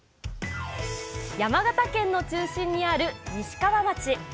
山形県の中心にある西川町。